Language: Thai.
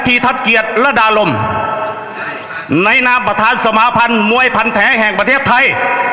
ทีทัศน์เกียรติฤดาลมไหนน้ำประธานสมาพันธ์มวยพันธุ์แถงแห่งประเทศไทย